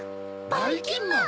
ばいきんまん！